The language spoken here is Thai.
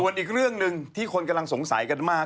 ส่วนอีกเรื่องหนึ่งที่คนกำลังสงสัยกันมาก